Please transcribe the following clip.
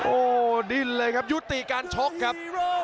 โอ้โหดิ้นเลยครับยุติการชกครับ